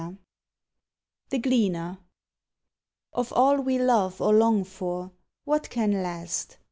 THE GLEANER Of all we love or long for, what can last?